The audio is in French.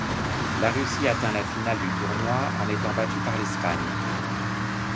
La Russie atteint la finale du tournoi, en étant battue par l'Espagne.